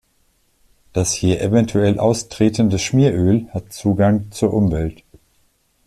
Das hier eventuell austretende Schmieröl hat Zugang zur Umwelt.